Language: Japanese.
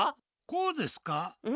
こうですか？